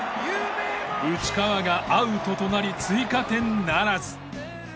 内川がアウトとなり追加点ならず。